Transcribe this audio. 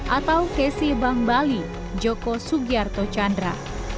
atau kesi bank bali joko sugiarto chandra